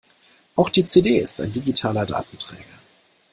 Auch die CD ist ein digitaler Datenträger.